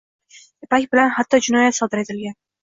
Ipak bilan hatto jinoyat sodir etilgan.